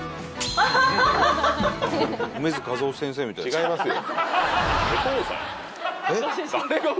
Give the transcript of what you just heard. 違いますよ。